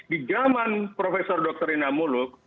di zaman prof dr rina muluk